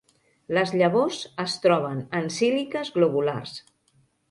Les llavors es troben en síliqües globulars.